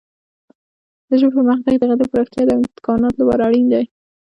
د ژبې پرمختګ د هغې د پراختیا د امکاناتو لپاره اړین دی.